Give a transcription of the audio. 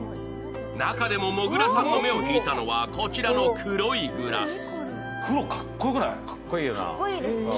中でも、もぐらさんの目を引いたのは、こちらの黒いグラス。